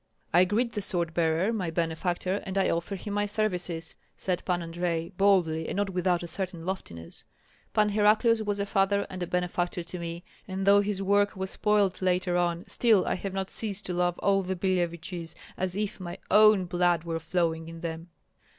"I greet the sword bearer, my benefactor, and offer him my services," said Pan Andrei, boldly and not without a certain loftiness. "Pan Heraclius was a father and a benefactor to me, and though his work was spoiled later on, still I have not ceased to love all the Billeviches as if my own blood were flowing in them."